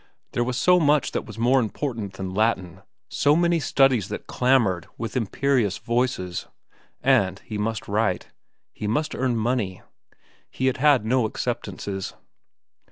There was so much that was more important than Latin, so many studies that clamored with imperious voices. And he must write. He must earn money. He had had no acceptances.